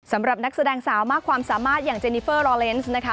สำหรับนักแสดงสาวมากความสามารถอย่างเจนิเฟอร์รอเลนส์นะคะ